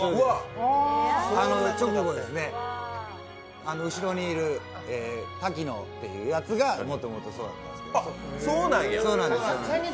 あの直後、後ろにいる滝野というやつがもともとそうだったんですけど。